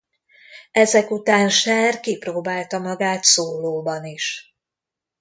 Ezek után Cher kipróbálta magát szólóban is.